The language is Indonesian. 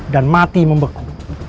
dan mati membeku